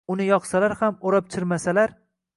Uni yoqsalar ham, o‘rab-chirmasalar